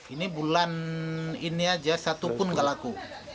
ini bulan ini saja satu pun tidak laku